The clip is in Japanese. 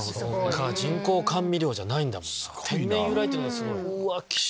人工甘味料じゃないんだもんな天然由来ってのがすごい。